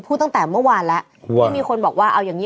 ตั้งแต่เมื่อวานแล้วที่มีคนบอกว่าเอาอย่างนี้